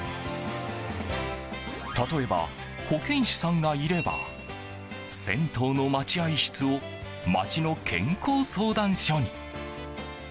例えば、保健師さんがいれば銭湯の待合室を町の健康相談所に。